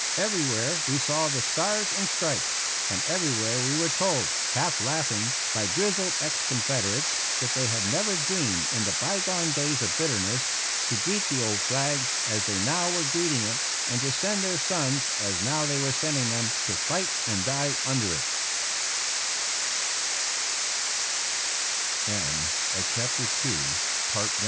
Every where we saw the Stars and Stripes, and every where we were told, half laughing, by grizzled ex Confederates that they had never dreamed in the by gone days of bitterness to greet the old flag as they now were greeting it, and to send their sons, as now they were sending them, t